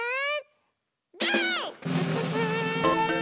ゴー！